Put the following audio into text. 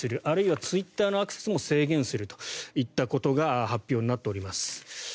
あるいはツイッターのアクセスも制限するといったことが発表になっております。